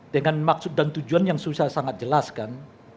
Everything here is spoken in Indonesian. dengan maksud dan tujuan yang susah sangat jelas kan